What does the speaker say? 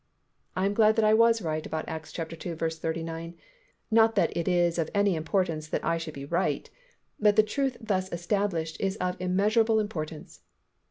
I am glad that I was right about Acts ii. 39, not that it is of any importance that I should be right, but the truth thus established is of immeasurable importance.